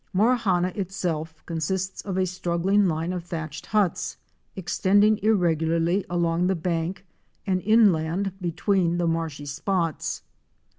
Morawhanna itself consists of a straggling line of thatched huts extending irregularly along the bank and inland between the marshy spots.